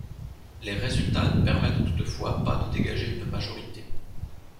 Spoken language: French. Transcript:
Les résultats ne permettent toutefois pas de dégager une majorité.